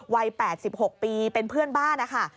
วัย๘๖ปีเป็นเพื่อนบ้านนะคะ